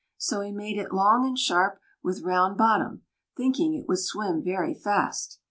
So he made it long and sharp, with round bottom, thinking it would swim very fast.